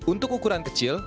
untuk ukuran kecil